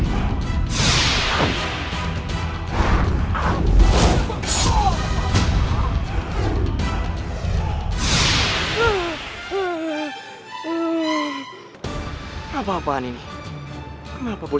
kenapa bocah bocah ini bisa menang terus